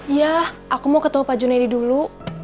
iya aku mau ketemu pak junaidi dulu